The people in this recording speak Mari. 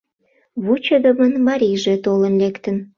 Вучыдымын марийже толын лектын.